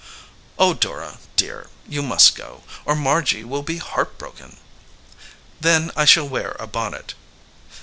"Oh, Dora dear, you must go, or Margy will be heartbroken !" "Then I shall wear a bonnet."